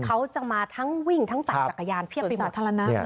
เขาจะมาทั้งวิ่งทั้งปั่นจักรยานเพียบไปสาธารณะ